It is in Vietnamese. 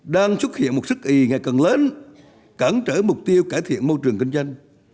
đang xuất hiện một sức ị ngày càng lớn cản trở mục tiêu cải thiện môi trường kinh doanh